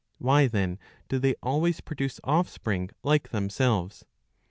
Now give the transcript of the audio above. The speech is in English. Why, then, do they always produce offspring like themselves